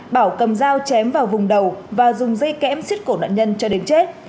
bảo cầm dao chém vào vùng đầu và dùng dây kẽm xít cổ nạn nhân cho đến chết